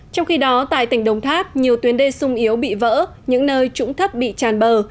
trong khi đó tại tỉnh đồng tháp nhiều tuyến đê sung yếu bị vỡ những nơi trũng thấp bị tràn bờ